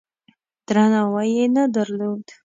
درناوی یې نه درلود.